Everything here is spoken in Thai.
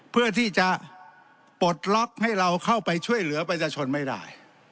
เพื่อที่จะปลดล็อกให้เราเข้าไปช่วยเหลือประชาชนไม่ได้